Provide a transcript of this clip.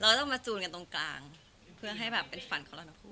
เราต้องมาจูนกันตรงกลางเพื่อให้แบบเป็นฝันของเราทั้งคู่